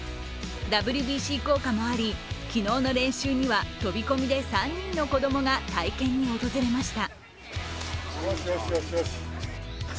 ＷＢＣ効果もあり、昨日の練習には飛び込みで３人の子供が体験に訪れました。